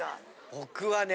僕はね